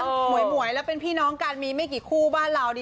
หมวยแล้วเป็นพี่น้องกันมีไม่กี่คู่บ้านเราดี